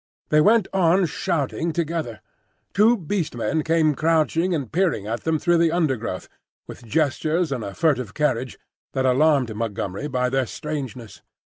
They went on shouting together. Two Beast Men came crouching and peering at them through the undergrowth, with gestures and a furtive carriage that alarmed Montgomery by their strangeness.